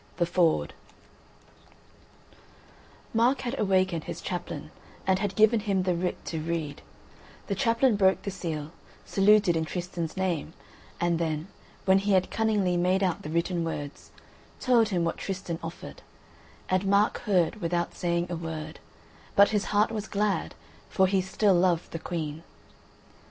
THE FORD Mark had awakened his chaplain and had given him the writ to read; the chaplain broke the seal, saluted in Tristan's name, and then, when he had cunningly made out the written words, told him what Tristan offered; and Mark heard without saying a word, but his heart was glad, for he still loved the Queen.